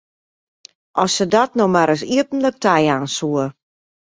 As se dat no mar ris iepentlik tajaan soe!